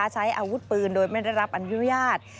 ใช้อาวุธปืนโดยไม่ได้รับอนุญาต